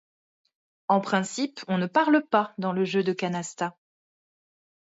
En principe, on ne parle pas dans le jeu de canasta.